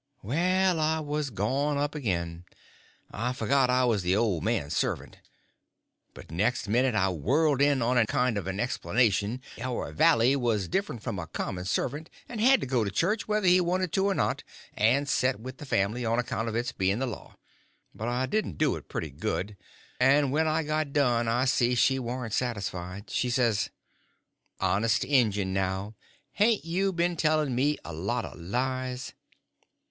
Well, I was gone up again. I forgot I was the old man's servant. But next minute I whirled in on a kind of an explanation how a valley was different from a common servant and had to go to church whether he wanted to or not, and set with the family, on account of its being the law. But I didn't do it pretty good, and when I got done I see she warn't satisfied. She says: "Honest injun, now, hain't you been telling me a lot of lies?"